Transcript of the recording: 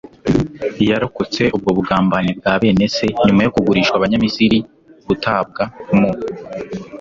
yarokotse ubwo bugambanyi bwa bene se, nyuma yo kugurishwa abanyamisiri, gutabwa mu